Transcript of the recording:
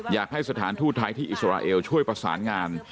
อยากให้สถานทูตไทยที่อิสราเอลช่วยประสานงาน